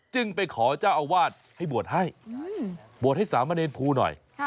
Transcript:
จึงไปขอเจ้าอาวาสให้บวชให้บวชให้สามเณรภูหน่อย